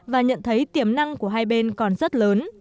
và nhận thấy tiềm năng của hai bên còn rất lớn